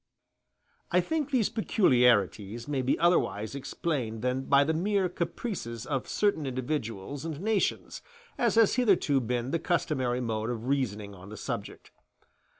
] I think these peculiarities may be otherwise explained than by the mere caprices of certain individuals and nations, as has hitherto been the customary mode of reasoning on the subject.